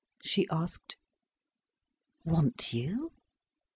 she asked. "Want you?"